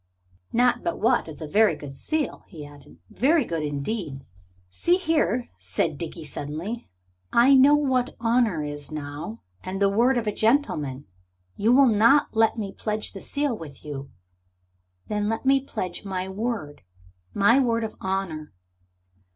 Not but what it's a very good seal," he added, "very good indeed." "See here," said Dickie suddenly, "I know what honor is now, and the word of a gentleman. You will not let me pledge the seal with you. Then let me pledge my word my word of honor.